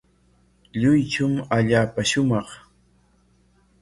Luychum allaapa shumaq.